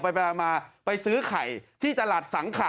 ไปมาไปซื้อไข่ที่ตลาดสังขะ